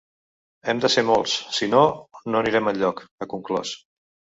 Hem de ser molts, si no, no anirem enlloc, ha conclòs.